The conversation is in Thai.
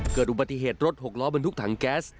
เกิดอุบัติเหตุรถหกล้อบรรทุกถังแก๊ส